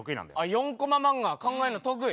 ４コマ漫画考えんの得意。